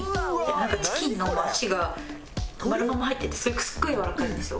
なんかチキンの脚がまるまま入っててそれがすごいやわらかいんですよ。